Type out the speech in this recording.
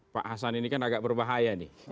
pak hasan ini kan agak berbahaya nih